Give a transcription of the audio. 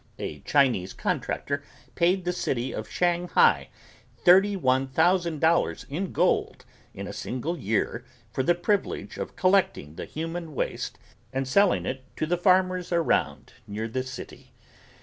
A Chinese contractor paid the city of Shanghai $31,000 in gold in a single year for the privilege of collecting the human waste and selling it to the farmers around near the city.